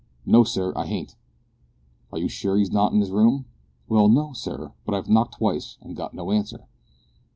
"No, sir, I hain't." "Are you sure he's not in his room?" "Well, no, sir, but I knocked twice and got no answer."